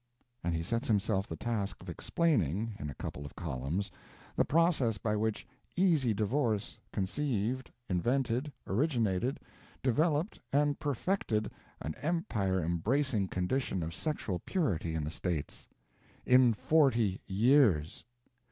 And he sets himself the task of explaining in a couple of columns the process by which Easy Divorce conceived, invented, originated, developed, and perfected an empire embracing condition of sexual purity in the States. IN 40 YEARS.